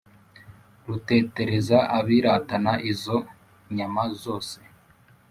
Rutetereza abiratana izo nyama zose